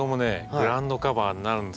グラウンドカバーになるんですよ